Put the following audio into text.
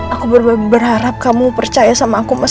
aku berharap kamu percaya sama aku mas